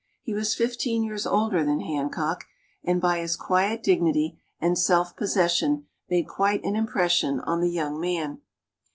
He was fifteen years older than Hancock, and by his quiet dignity and self possession made quite an impression on the young man.